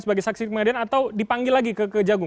sebagai saksi kemudian atau dipanggil lagi ke kejagung